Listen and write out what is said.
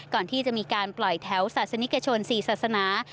ก่อนที่จะมีการปล่อยแถวศาสนิกชน๔ศาสนา